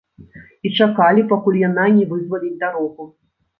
І чакалі, пакуль яна не вызваліць дарогу.